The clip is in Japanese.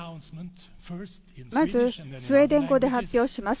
まずスウェーデン語で発表します。